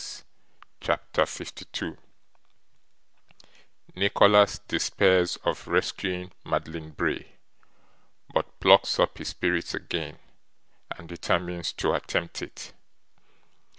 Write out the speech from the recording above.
CHAPTER 52 Nicholas despairs of rescuing Madeline Bray, but plucks up his Spirits again, and determines to attempt it.